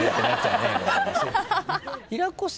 平子さん